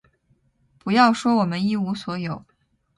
不要说我们一无所有，